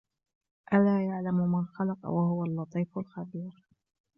ألا يعلم من خلق وهو اللطيف الخبير